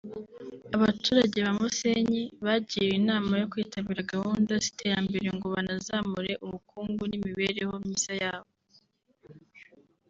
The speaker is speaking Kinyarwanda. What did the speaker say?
Abaturage ba Musenyi bagiriwe inama yo kwitabira gahunda z’iterambere ngo banazamure ubukungu n’ imibereho myiza byabo